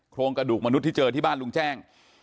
โครงกระดูกมนุษย์ที่เจอที่บ้านลุงแจ้ง